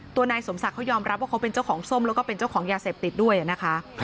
ตัวนายสมศักดิ์เขายอมรับว่าเขาเป็นเจ้าของส้มแล้วก็เป็นเจ้าของยาเสพติดด้วยนะคะ